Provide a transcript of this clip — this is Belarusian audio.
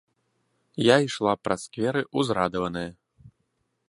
Я ішла праз скверы ўзрадаваная.